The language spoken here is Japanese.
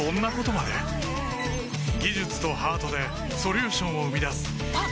技術とハートでソリューションを生み出すあっ！